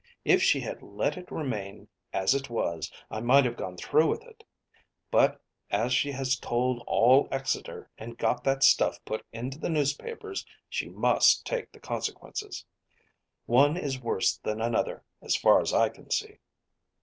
If she had let it remain as it was, I might have gone through with it. But as she has told all Exeter and got that stuff put into the newspapers, she must take the consequences. One is worse than another, as far as I can see."